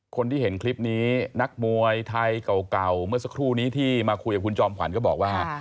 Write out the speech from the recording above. คนที่เห็นคลิปนี้นักมวยไทยเก่าเมื่อสักครู่นี้ที่มาคุยกับคุณจอมขวัญก็บอกว่า